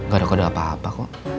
gak ada kode apa apa kok